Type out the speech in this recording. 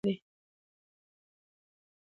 ما ورته وویل: زما سامانونه ټول، ټول او بستې دي.